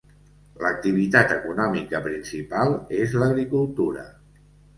L'activitat econòmica principal és l'agricultura.